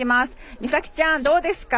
美咲ちゃん、どうですか？